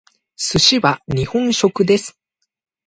寿司は日本食です。